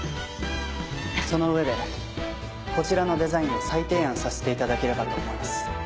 その上でこちらのデザインを再提案させて頂ければと思います。